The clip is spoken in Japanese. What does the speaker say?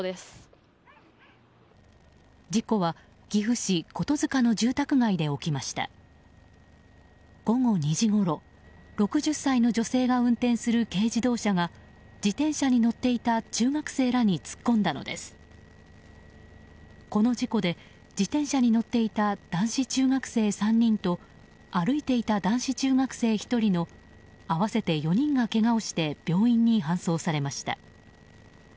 この事故で自転車に乗っていた男子中学生３人と歩いていた男子中学生１人の合わせて４人がけがをして病院に搬送されました。